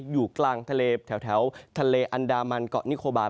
อยู่กลางทะเลแถวทะเลอันดามันเกาะนิโคบา